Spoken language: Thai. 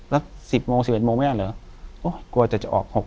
อยู่ที่แม่ศรีวิรัยิลครับ